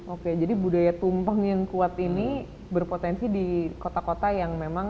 oke jadi budaya tumpeng yang kuat ini berpotensi di kota kota yang memang